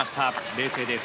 冷静です。